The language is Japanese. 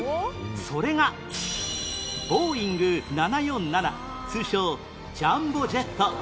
それがボーイング７４７通称ジャンボジェット